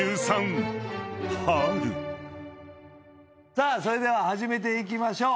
さあそれでは始めていきましょう。